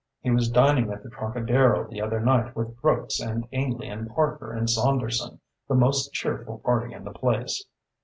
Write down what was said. He was dining at the Trocadero the other night with Brooks and Ainley and Parker and Saunderson the most cheerful party in the place.